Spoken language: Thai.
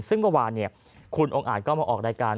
ซึ่งเมื่อวานคุณองค์อาจก็มาออกรายการ